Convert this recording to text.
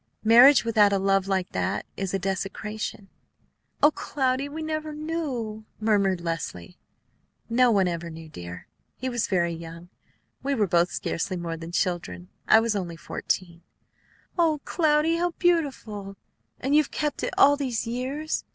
Marriage without a love like that is a desecration." "O Cloudy! We never knew " murmured Leslie. "No one ever knew, dear. He was very young. We were both scarcely more than children. I was only fourteen " "O Cloudy! How beautiful! And you have kept it all these years!